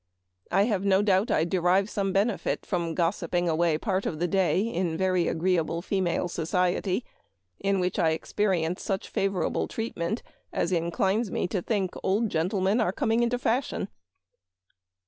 I have no doubt I derive some benefit from gos siping away part of the day in very agreeable female society, in which I experience such favor able treatment as inclines me to think old gen tlemen are coming into fashion."